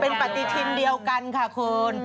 เป็นปฏิทินเดียวกันค่ะคุณ